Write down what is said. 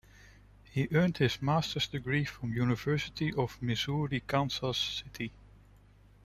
He earned his master's degree from University of Missouri-Kansas City.